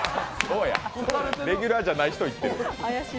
レギュラーじゃない人いってる。